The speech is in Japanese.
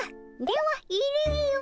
では入れよ。